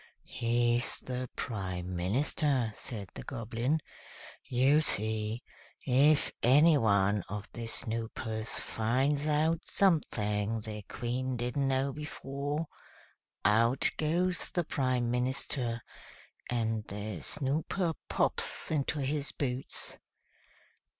"He's the Prime Minister," said the Goblin. "You see, if any one of the Snoopers finds out something the Queen didn't know before, out goes the Prime Minister, and the Snooper pops into his boots.